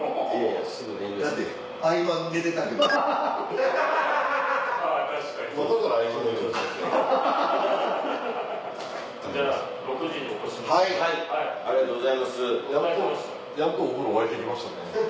やっとやっとお風呂沸いてきましたね。